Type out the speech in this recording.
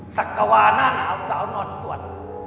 สักกวาหน้าหนาวสาวนอนตรวจ